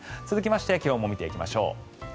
続きまして気温も見ていきましょう。